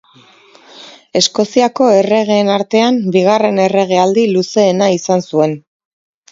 Eskoziako erregeen artean bigarren erregealdi luzeena izan zuen.